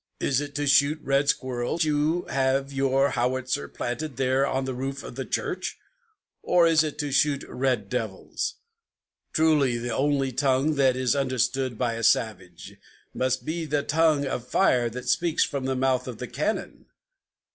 Is it to shoot red squirrels you have your howitzer planted There on the roof of the church, or is it to shoot red devils? Truly the only tongue that is understood by a savage Must be the tongue of fire that speaks from the mouth of the cannon!"